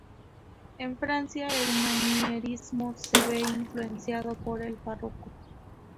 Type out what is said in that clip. En Francia, el manierismo se ve influenciado por el barroco.